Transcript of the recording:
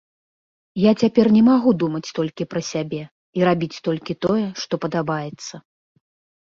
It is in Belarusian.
Я цяпер не магу думаць толькі пра сябе і рабіць толькі тое, што падабаецца.